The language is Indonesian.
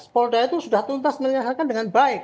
polda itu sudah tuntas menyelesaikan dengan baik